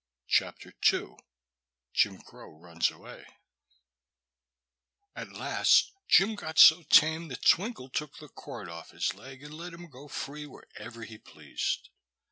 Chapter II Jim Crow Runs Away AT last Jim got so tame that Twinkle took the cord off his leg and let him go free, wherever he pleased.